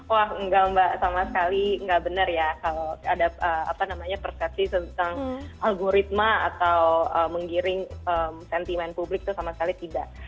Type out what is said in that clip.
wah enggak mbak sama sekali nggak benar ya kalau ada persepsi tentang algoritma atau menggiring sentimen publik itu sama sekali tidak